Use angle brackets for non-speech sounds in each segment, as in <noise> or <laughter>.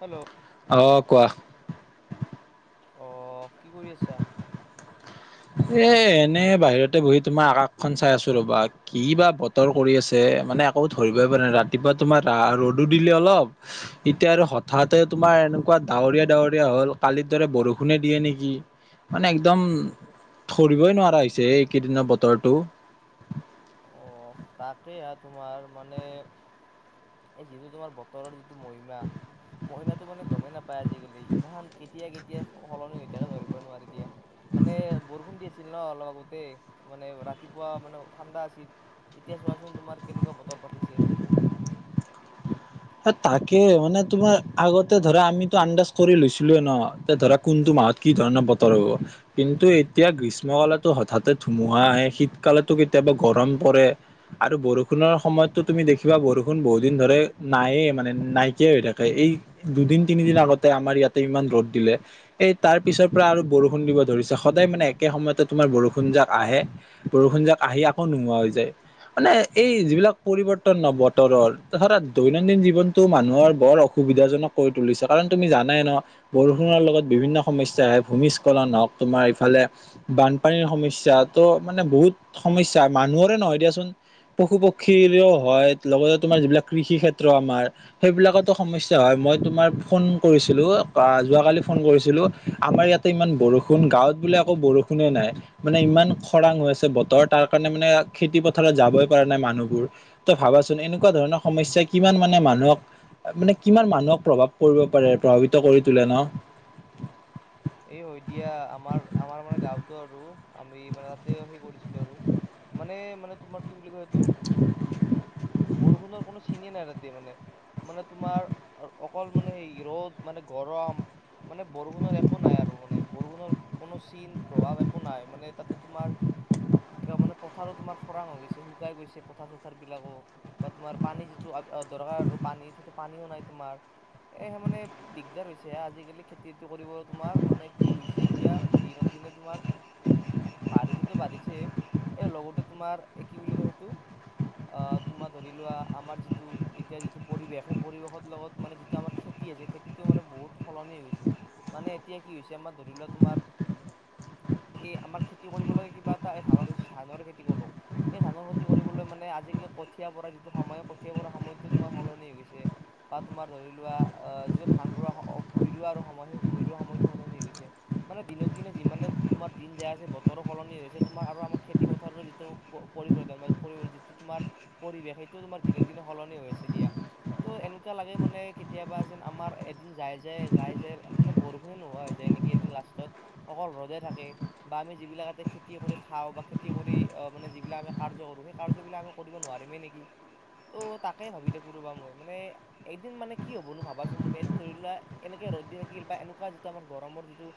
Hello! অঁ কোৱা? অ কি কৰি আছা? এ এনে বাহিৰতে বহি তোমাৰ আকাশখন, চাই আছো ৰবা। কি বা বতৰ, কৰি আছে মানে আকৌ ধৰিবই প ন ৰাতিপুৱা, তোমাৰ ৰ'দো দিলে অলপ এতিয়া আৰু হঠাতে তোমাৰ এনেকুৱা ডাৱৰীয়া, ডাৱৰীয়া হল কালিৰ দৰে বৰষুণে, দিয়ে নেকি? মানে একদম ধৰিবই নোৱাৰা হৈছে এইকেইদিনৰ বতৰটো। অ তাকেই এয়া তোমাৰ মানে এই যিটো তোমাৰ বতৰৰ, যিটো মহিমা মহিমাটো মানে গমেই নাপায় আজিকালি ইমান কেতিয়া কেতিয়া সলনি হৈ থাকে ধৰিব নোৱাৰে দিয়া মানে বৰষুণ, দি আছিল। আছিল ন অলপ আগতেই মানে ৰাতিপুৱা মানে ঠাণ্ডা, আছিল। এতিয়া চোৱাচোন তোমাৰ কেনেকুৱা বতৰ পাতিছে। তাকে মানে তোমাৰ আগতে ধৰা আমিতো আন্দাজ কৰি লৈছিলো, ন ধৰা কোনটো মাহত, কি ধৰণৰ বতৰ, হ'ব। কিন্তু এতিয়া গ্ৰীষ্ম, কালতো হঠাতে ধুমুহা আহে, শীতকালো, কেতিয়াবা গৰম, পৰে আৰু বৰষুণৰ, সময়ততো তুমি দেখিবা বৰষুণ বহুত দিন ধৰে নায়ে মানে নাইকিয়া হৈ থাকে। এই দুদিন তিনিদিন আগতে আমাৰ ইয়াতে ইমান ৰ'দ, দিলে। এই তাৰ পিছৰ পৰা আৰু বৰষুণ, দিব ধৰিছে সদায় মানে একে সময়তে তোমাৰ বৰষুণ যাক আহে। বৰষুণ যাক আহি আকৌ নোহোৱা হৈ যায়। মানে এই যিবিলাক পৰিৱৰ্তন ন বতৰৰ, ত ধৰাত দৈনন্দিন জীৱনতটো মানুহৰ বৰ অসুবিধাজনক কৰি তুলিছে কাৰণ তুমি জানাই ন। বৰষুণৰ, লগত বিভিন্ন সমস্যা আহে ভূমিস্খলন, হওক তোমাৰ ইফালে বানপানীৰ, সমস্যয়া ত' মানে বহুত সমস্যা মানুহৰে নহয় দিয়াচোন। পশু -পক্ষীও হয় লগতে তোমাৰ যিবিলাক কৃষি, ক্ষেত্ৰ আমাৰ। সেইবিলাকতো সমস্যা হয়। মই তোমাৰ ফোন কৰিছিলো যোৱাকালি ফোন কৰিছিলো আমাৰ ইয়াত ইমান বৰষুণ, গাঁৱতোলে আ আকৌ বৰষুণে নাই। মানে ইমান খৰাং, হৈ আছে বতৰ, তাৰ কাৰণে মানে খেতি- পথাৰত যাবই পৰা নাই মানুহবোৰ। তই ভাবাচোন এনেকুৱা ধৰণৰ সমস্যা কিমান মানে মানুহক মানে কিমান মানুহক প্ৰভাৱ কৰিব পাৰে প্ৰভাৱিত কৰি তোলে ন। এই হয় দিয়া আমাৰ আমাৰ মানে গাঁৱতো, আৰু আমি মানে তাতে সেই কৰিছিলোঁ। আৰু মানে মানে তোমাৰ কি বুলি কয় এইেইটো বৰষুণৰ, কোনো চিনে নাই ৰাতি মানে। মানে তোমাৰ অকল মানে সেই ৰ'দ মানে গৰম মানে বৰষুণৰ এক একো নাই আৰু মানে বৰষুণৰ, কোনো চিন প্ৰভাৱ একো নাই মানে তাতে তোমাৰ কিয় মানে পথাৰো, তোমাৰ খৰাং, হৈ গৈছে শুকাই গৈছে পথাৰ -চথাৰ বিলাকক বা তোমাৰ পানী যিটো দৰকাৰ আৰু পানী সেইটো পানীও নাই তোমাৰ এহে মানে দিগদাৰ হৈছে আজিকালি খেতিটো কৰিব। তোমাৰ মানে কি হৈছে এতিয়া, দিনক দিনে তোমাৰ বাঢ়িছেতো বাঢ়িছে এই লগতে তোমাৰ এই কি বুলি কয় সেইটো তোমাৰ ধৰি লোৱা আমাৰ যিটো এতিয়া যিটো পৰিৱেশ সেই পৰিৱেশৰ লগত মানে যিটো আমাৰ খেতি আছে খেতিটো মানে বহুত সলনি হৈছে মানে এতিয়া কি হৈছে,। আমাৰ ধৰি লোৱা তোমাৰ এই আমাৰ খেতি কৰিব লাগে কিবা এটা এই ধানৰ, ধানৰ খেতি কৰলোঁ। এই ধানৰ, খেতি কৰিবলৈ মানে আজিকালি কঠীয়া পৰা যিটো সময় কঠীয়া, পৰা সময়টো তোমাৰ সলনি হৈ গৈছে। বা তোমাৰ ধৰি লোৱা আহ যিটো ধান, ৰোৱা ভূই, ৰৱা সময় সেই ভূই ৰৱা সময়টো সলনি হৈ গৈছে। মানে দিনক দিনে যিমানে তোমাৰ দিন যায় আছে বতৰৰ, সলনি হৈছে। তোমাৰ আৰু আমাৰ খেতি- পথাৰৰ যিটো পৰিৱৰ্তন পৰি যিটো তোমাৰ পৰিৱেশ সেইটো তোমাৰ দিনক দিনে সলনি হৈ আছে দিয়া। ত' এনেকুৱা লাগে মানে কেতিয়াবা যেন আমাৰ এদিন যাই, যাই যায়, যায়। মানে বৰষুণে নোহোৱা হৈ যায় নেকি এদিন লাষ্টত অকল ৰ'দে থাকে। বা আমি যিবিলাক ততে খেতি কৰি খাওঁ বা খেতি কৰি মানে যিবিলাক আমি কাৰ্য কৰোঁ সেই কাৰ্যবিলাক আমি কৰিব নোৱাৰিমেই নেকি ত' তাকে ভাবি দে কোবা মই মানে এদিন মানে কি হ'বনো ভাবাচোন তুমি এদিন ধৰি লোৱা এনেক ৰ'দ দিন থিল বা এনেকুৱা যিটো আমাৰ গৰমৰ যিটো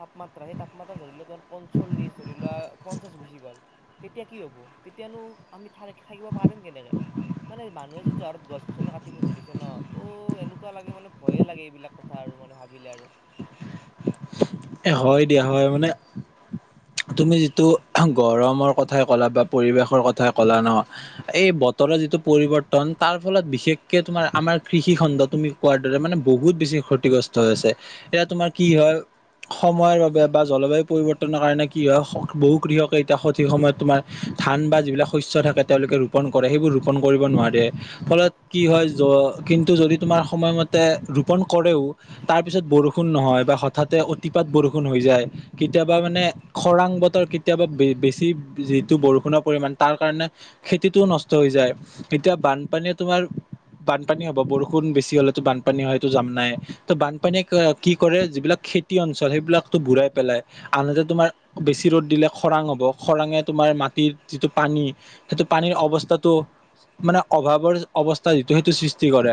তাপমাত্ৰা সেই তাপমাত্ৰা ধৰি ললে তমাৰ পঞ্চল্লিছ, ধৰি লোৱা পঞ্চাশ গুচি গ'ল। তেতিয়া কি হ'ব তেতিয়ানো আমি থ থাকিব পাৰিম কেনেকে। মানে মানুহে যিটো হাৰত গছ-গছনি কাটিব ধৰিছে ন তো এনেকুৱা লাগে মানে ভয়ে লাগে এইবিলাক কথা আৰু মানে। ভাবিলে আৰু। এ হয় দিয়া, হয় মানে। তুমি যিটো গৰমৰ কথাই ক'লা বা পৰিৱেশৰ কথাই ক'লা ন এই বত তৰ যিটো পৰিৱৰ্তন তাৰ ফলত বিশেষকৈ তোমাৰ আমাৰ কৃষিখণ্ড তুমি কোৱাৰ দৰে মানে বহুত বেছি ক্ষতিগ্ৰস্ত হৈ আছে, এতিয়া তোমাৰ কি হয় সময়ৰ বাবে বা জলবায়ু পৰিৱৰ্তনৰ কাৰণে কি হয় বহু কৃষকে এতিয়া সঠিক সময়ত তোমাৰ ধান বা যিবিলাক শস্য থাকে তেওঁলোকে ৰোপন কৰে সেইবোৰ ৰোপন কৰিব নোৱাৰে ফলত কি হয় জ কিন্তু যদি তোমাৰ সময়মতে ৰোপণ কৰেও তাৰ পিছত বৰষুণ নহয় বা হঠাতে অতিপাত বৰষুণ হৈ যায় কেতিয়াবা মানে খৰাং বতৰ কেতিয়াবা বেছি যিটো বৰষুণৰ পৰিমাণ তাৰ কাৰণে খেতিটোও নষ্ট হৈ যায় এতিয়া বানপানীয়ে তোমাৰ বানপানী হ'ব বৰষুণ বেছি হলেতো বানপানী হয়তো জাম নাই ত' বানপানীয়ে কি কৰে যিবিলাক খেতি অঞ্চল সেইবিলাকতো বূৰাই পেলাই আনহাতে তোমাৰ বেছি ৰ'দ দিলে খৰাং হ'ব খৰাঙে তোমাৰ মাটিৰ যিটো পানী সেইটো পানীৰ অৱস্থাটো মানে অভাৱৰ অৱস্থা যিটো সেইটো সৃষ্টি কৰে।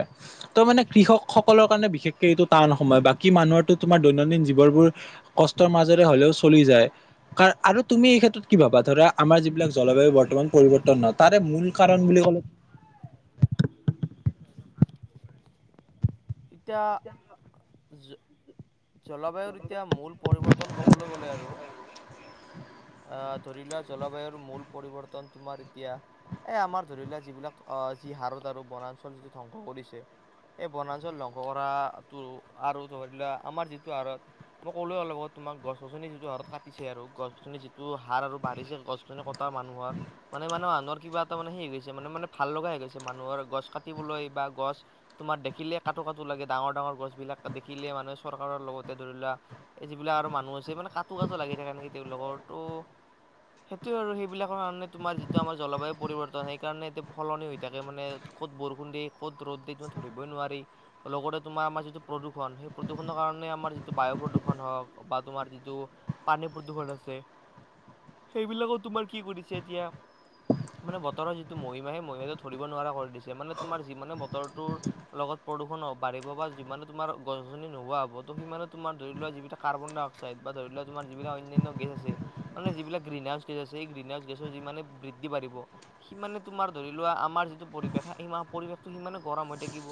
তো মানে কৃষক সকলৰ কাৰণে বিশেষকে এইটো টান সময় বাকী মানুহৰো তোমাৰ দৈনন্দিন জীৱ বোৰ কষ্টৰ মাজেৰে হ'লেও চলি যায়। কাৰ আৰু তুমি এই ক্ষেত্ৰত কি ভাবা ধৰা আমাৰ যিবিলাক জলবায়ু বৰ্তমান পৰিৱৰ্তন নহয় তাৰে মূল কাৰণ বুলি ক'লে ইতা জ জলবায়ুৰ এতিয়া মূল পৰিৱৰ্তন ক'বলৈ গ'লে আৰু আহ ধৰি লোৱা জলবায়ুৰ মূল পৰিৱৰ্তন তোমাৰ এতিয়া এ আমাৰ ধৰি লোৱা যিবিলাক যি হাৰত আৰু বনাঞ্চল যিটো ধ্বংস কৰিছে এই বনাঞ্চল ছত জলংঘ কৰা টো আৰু আমাৰ যিটো আঁৰত মই কলো অলপ আগত তোমাক গছ -গছনি যিটো হাৰত কাটিছে আৰু গছ-গছনি যিটো হাৰ আৰু বাঢ়িছে গছ-গছনি এটা মানুহৰ। মানে মানহ আনৰ কিবা এটা মানে হে গৈছে মানে মানে ভাল লগা হৈ গৈছে মানুহৰ গছ কাটিবলৈ বা গছ তোমাৰ দেখিলে কটো, কটো লাগে ডাঙৰ ডাঙৰ গছ বিলাক দেখিলে মানে চৰকাৰৰ লগতে ধৰি লোৱা এই যিবিলাক আৰু মানুহ আছে মানে কটো কটো লাগি থাকে নেকি তেওঁলোকৰ তো সেইটোৱে আৰু সেইবিলাকৰ কাৰণে তোমাৰ যিটো আমাৰ জলবায়ু পৰিৱৰ্তন সেইকাৰণে এতিয়া সলনি হৈ থাকে মানে ক'ত বৰষুণ দি ক'ত ৰ'দ দি তুমি ধৰিবই নোৱাৰি। লগতে তোমাৰ আমাৰ যিটো প্ৰদূৰ্ষণ সেই প্ৰদূৰ্ষণৰ কাৰণে আমাৰ যিটো বায়ু প্ৰদূৰণ হওক বা তোমাৰ যিটো পানী প্ৰদূষণ আছে সেইবিলাকত তোমাৰ কি কৰিছে এতিয়া মানে বতৰ যিটো মহিমা সেই মহিমাটো ধৰিব নোৱাৰা কৰি দিছে মানে তোমাৰ যি মানে বতৰটোৰ লগত প্ৰদূষণ বাঢ়িব বা যিমানে তোমাৰ গছ গনি নোহোৱা হ'ব তো সিমানে তোমাৰ ধৰি লোৱা যিবিলাক কাৰ্বন ডাই অক্সাইড বা ধৰি লোৱা তোমাৰ যিবিলাক অন্যান্য গেছ আছে মানে যিবিলাক গ্ৰীণ হাউচ গেছ আছে এই গ্ৰীণ হাউচ গেছৰ যিমানে বৃদ্ধি বাহিব সিমানে তোমাৰ ধৰি লোৱা আমাৰ যিটো পৰিৱেশ সে পৰিৱেশটো সিমানে গৰম হৈ থাকিব।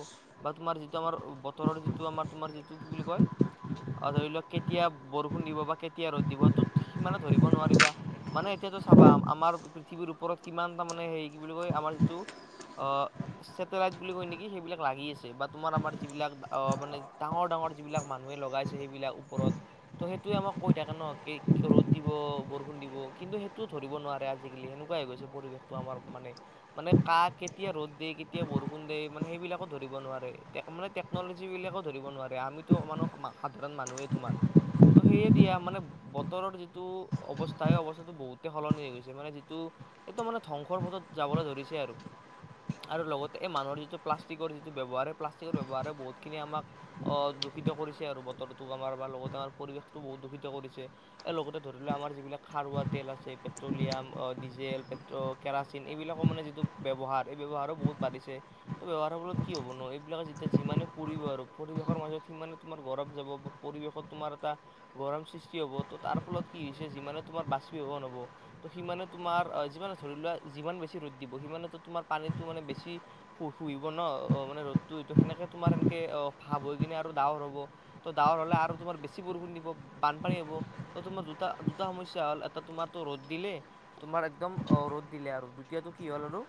বা তোমাৰ যিটো আমাৰ বতৰৰ যিটো আমাৰ তোমাৰ যিটো কি বুলি কয় অ, ধৰি লওক কেতিয়া বৰষুণ দিব বা কেতিয়া ৰ'দ দিব ত' সিমানো ধৰিব নোৱাৰিবা। মানে এতিয়াটো চাবা আমাৰ পৃথিৱীৰ ওপৰত কিমানটা মানে হেই কি বুলি কয় আমাৰ যিটো অ, চেটেলাইট বুলি কয় নেকি, সেইবিলাক লাগি আছে। যে বা তোমাৰ আমাৰ যিবিলাক অহ মানে ডাঙৰ-ডাঙৰ যিবিলাক মানুহে লগাইছে সেইবিলাক ওপৰত ত' সেইটোৱে আমাক কৈ থাকে ন কে ৰ'দ দিব, বৰষুণ দিব কিন্তু সেইটোও ধৰিব নোৱাৰে আজিকালি সেনেকুৱাই হৈ গৈছে পৰিৱেশটো আমাৰ মানে। মানে কাহ কেতিয়া ৰ'দ দেই, কেতিয়া বৰষুণ দেই মানে সেইবিলাকো ধৰিব নোৱা ৰে। মানে টেক্নলজী বিলাকেও ধৰিব নোৱাৰে আমিতো অমানো সাধাৰণ মানুহে তোমাৰ। ত' সেয়ে দিয়া মানে বতৰৰ যিটো অৱস্থা এই অৱস্থাটো বহুতে সলনি হৈ গৈছে মানে যিটো সেইটো মানে ধ্বংসৰ পথত যাবলৈ ধৰিছে আৰু। আৰু লগতে এই মানুহৰ যিটো প্লাষ্টিকৰ যিটো ব্যৱহাৰ এই প্লাষ্টিকৰ ব্যৱহাৰে বহুতখিনি আমাক অহ দূষিত কৰিছে আৰু বতৰটোক আমাৰ বা লগতে আমাৰ পৰিৱেশটো বহুত দূষিত কৰিছে। এ লগতে ধৰি লোৱা আমাৰ যিবিলাক খাৰুৱা তেল আছে পেট্ৰলিয়াম অ ডিজেল, পেট্ৰ কেৰাচিন এইবিলাকৰ মানে যিটো ব্যৱহাৰ এই ব্যৱহাৰো বহুত বাঢ়িছে। ত' ব্যৱহাৰৰ ফলত কি হ'বনো এই বিলাকে যেতিয়া যিমানে পুৰিব আৰু পৰিৱেশৰ মাজত সিমানে তোমাৰ গৰম যাব বা পৰিৱেশত তোমাৰ এটা গৰম সৃষ্টি হ'ব। ত' তাৰ ফলত কি হৈছে যিমানে তোমাৰ বাষ্পীভৱন হ'ব ত' সিমানে তোমাৰ যিমানে ধৰি লোৱা যিমান বেছি ৰ'দ দিব সিমানো তোমাৰ পানীটো মানে বেছি শুহিব ন'? অ, মানে ৰ'দটো এইটো সেনেকে তোমাৰ সনেকে অ, ভাব হৈ কিনে আৰু ডাৱৰ হ'ব। ত' ডাৱৰ হ'লে আৰু তোমাৰ বেছি বৰষুণ দিব, বানপানী হ'ব। ত' তোমাৰ দুটা, দুটা সমস্যা হ'ল এটা তোমাৰতো ৰ'দ দিলে তোমাৰ একদম ৰ'দ দিলে আৰু দ্বিতীয়টো কি হ'ল আৰু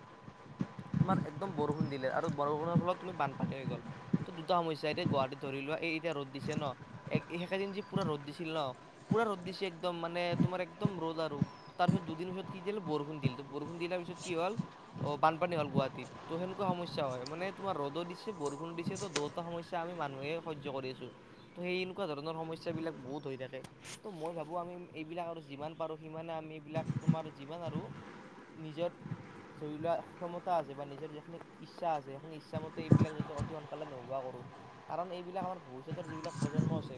তোমাৰ একদম বৰষুণ দিলে আৰু বৰষুণৰ ফলত তুমি বানপানী হৈ গ'ল। ত' দুটা সমস্যা এতিয়া গুৱাহাটীত ধৰি লোৱা এই এতিয়া ৰ'দ দিছে ন'! এ সেইকেইদিন যি পুৰা ৰ'দ দিছিল ন' পুৰা ৰ'দ দিচে একদম মানে তোমাৰ একদম ৰ'দ আৰু। তাৰপিছত দুদিন পিছত কি দিল? বৰষুণ দিল, ত' বৰষুণ দি তাৰ পিছত কি হ'ল? অ, বানপানী হ'ল গুৱাহাটীত। ত' সেনেকুৱা সমস্যা হয় মানে তোমাৰ ৰ'দো দিছে, বৰষুণ দিছে। ত' দুয়োটা সমস্যা আমি মানুহে সহ্য কৰি আছো। ত' সেই এনেকুৱা ধৰণৰ সমস্যাবিলাক বহুত হৈ থাকে। ত' মই ভাবোঁ আমি এইবিলাক আৰু যিমান পাৰোঁ সিমানে আমি এইবিলাক তোমাৰ যিমান আৰু নিজৰ ধৰি় লোৱা ক্ষমতা আছে বা নিজৰ যিখিনি ইচ্ছা আছে সেইখিনি ই চ্ছা মতে এইবিলাক যাতে অতি সোনকালে নোহোৱা কৰো। কাৰণ এইবিলাক আমাৰ ভৱিষ্যতৰ যিবিলাক প্ৰজন্ম আছে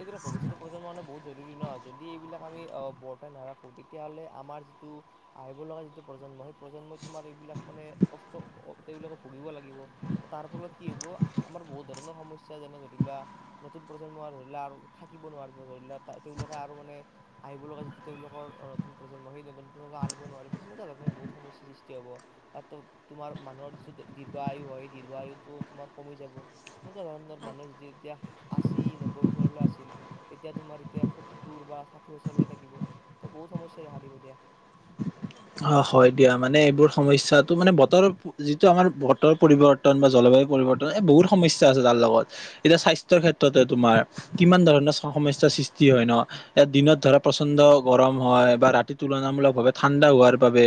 এইবিলাক ভৱিষ্যতৰ প্ৰজন্মৰ কাৰণে বহুত জৰুৰী ন'! যদি এইবিলাক আমি অ বৰ্তাই নাৰাখোঁ তেতিয়াহ'লে আমাৰ যিটো আহিব লগা যিটো প্ৰজন্ম সেই প্ৰজন্মই তোমাৰ এইবিলাক মানে কষ্ট তেওঁলোকে ভুগিব লাগিব। তাৰ ফলত কি হ'ব আমাৰ বহুত ধৰণৰ সমস্যা যেনে ধৰি লোৱা নতুন প্ৰজন্ম আৰু ধৰি লোৱা আৰু থাকিব নোৱাৰিব। ধৰি লোৱা তেওঁলোকে আৰু মানে আহিব লগা যিতো তেওঁলোকৰ অ নতুন প্ৰজন্ম সেই নতুন প্ৰজন্মক আনিব নোৱাৰিব সেনেকুৱা ধৰণৰ বহুত সমস্যা সৃষ্টি হ'ব। তাত' তোমাৰ মানুহৰ যিটো দীৰ্ঘ আয়ু হয় সেই দীৰ্ঘ আয়ুটো তোমাৰ কমি যাব। সেনেকুৱা ধৰণৰ মানুহে যদি এতিয়া আছী, নব্বৈ বছৰলৈ আছিল তেতিয়া তোমাৰ এতিয়া সত্তৰ বা ষাঠি বছৰলৈ থাকিব। ত' বহুত সমস্যাই দেখা দিব দিয়া। অ হয় দিয়া মানে এইবোৰ সমস্যাটো মানে বতৰৰ যিটো আমাৰ বতৰ পৰিৱৰ্তন বা জলবায়ু পৰিৱৰ্তন এই বহুত সমস্যা আছে তাৰ লগত। এতিয়া স্বাস্থ্যৰ ক্ষেত্ৰতে তোমাৰ কিমান ধৰণৰ সমস্যা সৃষ্টি হয় ন'। এয়াত দিনত ধৰা প্ৰচণ্ড গৰম হয় বা ৰাতি তুলনামূলক ভাৱে ঠাণ্ডা হোৱাৰ বাবে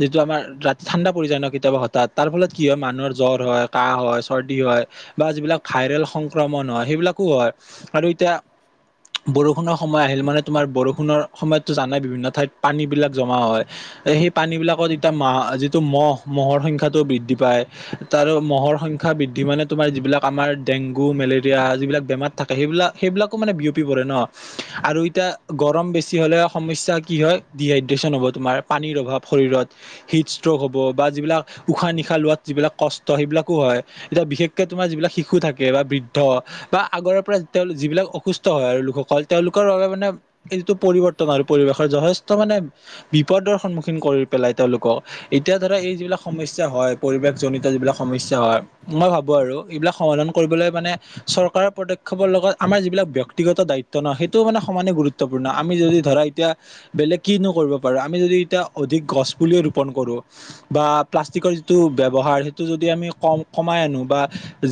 যিটো আমাৰ ৰাতি ঠাণ্ডা পৰি যায় ন কেতিয়াবা হঠাৎ তাৰ ফলত কি হয় মানুহৰ জ্বৰ হয়, কাহ হয় চৰ্দি হয় বা যিবিলাক ভাইৰেল সংক্ৰমণ হয় সেইবিলাকো হয়। আৰু এতিয়া বৰষুণৰ সময় আহিল মানে তোমাৰ বৰষুণৰ সময়ততো জানাই বিভিন্ন ঠাইত পানী বিলাক জমা হয়। এই সেই পানীবিলাকত এতিয়া ম যিটো মহ মহৰ সংখ্যাটো বৃদ্ধি পায়। তাৰো মহৰ সংখ্যা বৃদ্ধি মানে তোমাৰ যিবিলাক আমাৰ ডেংগু মেলেৰিয়া যিবিলাক বেমাৰ থাকে সেইবিলাক সেইবিলাকো মানে বিয়পি পৰে ন। আৰু এতিয়া গৰম বেছি হ'লে সমস্যা কি হয় ডিহাইড্ৰেচন হ'ব তোমাৰ। পানীৰ অভাৱ শৰীৰত। হিট ষ্ট্ৰক হ'ব, বা যিবিলাক উশাহ নিশাহ লোৱাত যিবিলাক কষ্ট সেইবিলাকো হয়। এতিয়া বিশেষকে তোমাৰ যিবিলাক শিশু থাকে বা বৃদ্ধ বা আগৰ পৰা তেওঁ যিবিলাক অসুস্থ হয় আৰু লোকসকল তেওঁলোকৰ বাবে মানে কিন্তু পৰিৱৰ্তন আৰু পৰিৱেশৰ যথেষ্ট মানে বিপদৰ সন্মুখীন কৰি পেলাই তেওঁলোকক। এতিয়া ধৰা এই যিবিলাক সমস্যা হয় পৰিৱেশজনিত যিবিলাক সমস্যা হয়। মই ভাবো আৰু এইবিলাক সমাধান কৰিবলৈ মানে চৰকাৰৰ পদক্ষেপৰ লগত আমাৰ যিবিলাক ব্যক্তিগত দায়িত্ব নহয় সেইটোও মানে সমানে গুৰু ত্বপূৰ্ণ আমি যদি ধৰা এতিয়া বেলেগ কিনো কৰিব পাৰো, আমি যদি এতিয়া অধিক গছ পুলি ৰোপণ কৰো। বা প্লাষ্টিকৰ যিটো ব্যৱহাৰ সেইটো যদি আমি কম কমাই আনো বা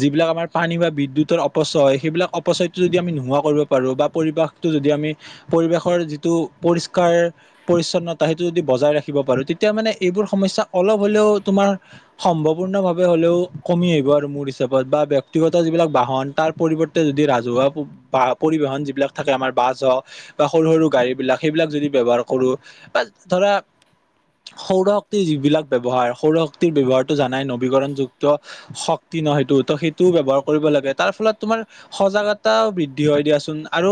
যিবিলাক আমাৰ পানী বা বিদ্যুতৰ অপচয় সেইবিলাক অপচয়টো যদি আমি নোহোৱা কৰিব পাৰো বা পৰিবেশটো যদি পৰিবেশৰ যিটো পৰিষ্কাৰ পৰিচ্ছন্নতা সেইটো যদি বজাই ৰাখিব পাৰো তেতিয়া মানে এইবোৰ সমস্যা অলপ হ'লেও তোমাৰ সম্ভপূৰ্ণ ভাৱে হ'লেও কমি আহিব আৰু মোৰ হিচাপত বা ব্যক্তিগত যিবিলাক বাহন তাৰ পৰিৱ ৰ্তে যদি ৰাজহুৱা বা পৰিবহন যিবিলাক থাকে আমাৰ বাছ হওক বা সৰু সৰু গাড়ী বিলাক সেইবিলাক যদি ব্যৱহাৰ কৰো বা ধৰা সৌৰ শক্তিৰ যিবিলাক ব্যৱহাৰ সৌৰ শক্তিৰ ব্যৱহাৰটো জানাই নবীকৰণযুক্ত শক্তি ন সেইটো ত সেইটোও ব্যৱহাৰ কৰিব লাগে তাৰ ফলত তোমাৰ সজাগতাও বৃদ্ধি হয় দিয়াচোন। আৰু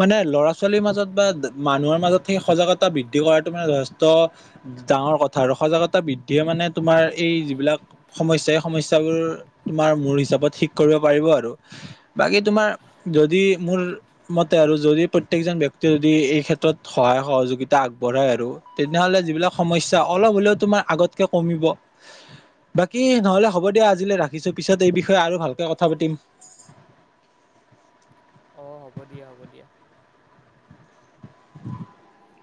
মানে ল'ৰা ছোৱালীৰ মাজত বা মানুহৰ মাজত সেই সজাগতা বৃ দ্ধি কৰাটো মানে যথেষ্ট ডাঙৰ কথা আৰু সজাগতা বৃদ্ধিয়ে মানে তোমাৰ এই যিবিলাক সমস্যা এই সমস্যাবোৰ তোমাৰ মোৰ হিচাপত ঠিক কৰিব পাৰিব আৰু। বাকী তোমাৰ যদি মোৰ মতে আৰু যদি প্ৰত্যেকজন ব্যক্তিয়ে যদি এই ক্ষেত্ৰত সহায় সহযোগিতা আগবঢ়াই আৰু তেনেহলে যিবিলাক সমস্যা অলপ হ'লেও তোমাৰ আগতকে কমিব। বাকী নহলে হ'ব দিয়া আজিলৈ ৰাখিছো। পিছত এই বিষয়ে আৰু ভালকে কথা পাতিম। অঁ হ'ব দিয়া হ'ব দিয়া। <inaudible>